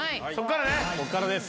ここからです。